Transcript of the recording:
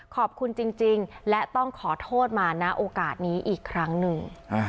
ขอบคุณจริงและต้องขอโทษมาณโอกาสนี้อีกครั้งหนึ่ง